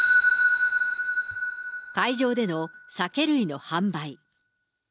会場での酒類の販売。